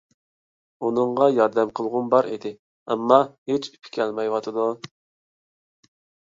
ئۇنىڭغا ياردەم قىلغۇم بار ئىدى، ئەمما ھېچ ئېپى كەلمەيۋاتىدۇ.